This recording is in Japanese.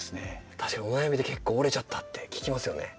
確かにお悩みで結構折れちゃったって聞きますよね。